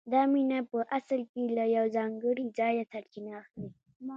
دا مینه په اصل کې له یو ځانګړي ځایه سرچینه اخلي